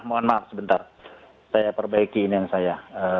mohon maaf sebentar saya perbaiki ini yang saya